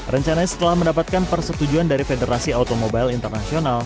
rencana setelah mendapatkan persetujuan dari federasi automobile internasional